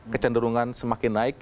kecenderungan semakin naik